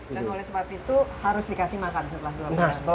dan oleh sebab itu harus dikasih makan setelah dua bulan